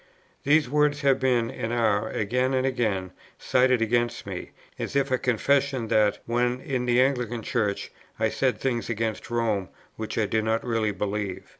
These words have been, and are, again and again cited against me, as if a confession that, when in the Anglican Church, I said things against Rome which I did not really believe.